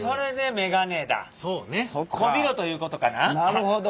なるほど。